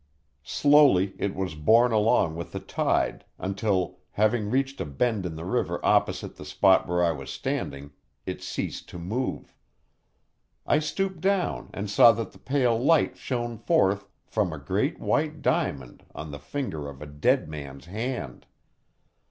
Slowly it was borne along with the tide, until, having reached a bend in the river opposite the spot where I was standing, it ceased to move. I stooped down and saw that the pale light shone forth from a great white diamond on the finger of a dead man's hand.